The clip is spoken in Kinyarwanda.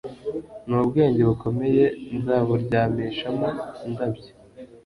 nubwenge bukomeye, nzaburyamishamo indabyo.